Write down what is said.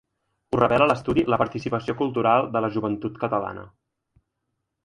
Ho revela l’estudi La participació cultural de la joventut catalana.